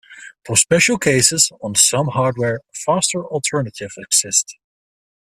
For special cases, on some hardware, faster alternatives exist.